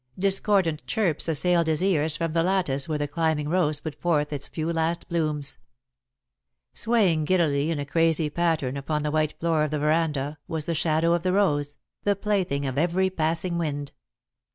Discordant chirps assailed his ears from the lattice where the climbing rose put forth its few last blooms. Swaying giddily in a crazy pattern upon the white floor of the veranda, was the shadow of the rose, the plaything of every passing wind.